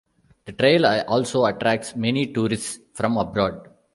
The trail also attracts many tourists from abroad.